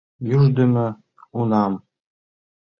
Ӱждымӧ унам.